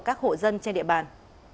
các hộ dân trên địa bàn